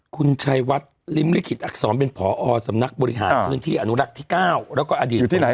คุณชัยวัดลิ้มลิขิตอักษรเป็นผอสำนักบริหารพื้นที่อนุรักษ์ที่๙แล้วก็อดีต